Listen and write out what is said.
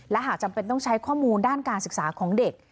และหากจำเป็นต้องใช้ข้อมูลด้านการศึกษาของเด็ก